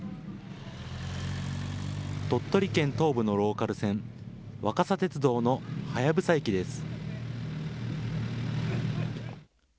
鳥取県東部のローカル線、若桜鉄道の隼駅です。